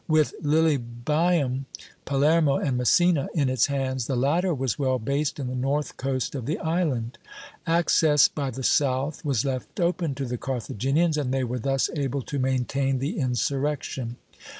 With Lilybæum, Palermo, and Messina in its hands, the latter was well based in the north coast of the island. Access by the south was left open to the Carthaginians, and they were thus able to maintain the insurrection.